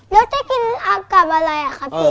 แล้วจะกินอากับอะไรครับพี่